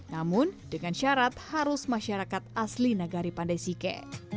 namun dengan syarat harus masyarakat asli nagari pandai sike